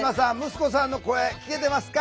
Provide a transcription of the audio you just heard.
息子さんの声聴けてますか？